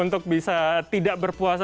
untuk bisa tidak berpuasa